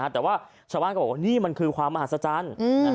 แต่ว่าชาวบ้านก็บอกว่านี่มันคือความมหัศจรรย์